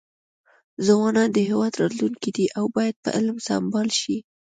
ځوانان د هیواد راتلونکي دي او باید په علم سمبال شي.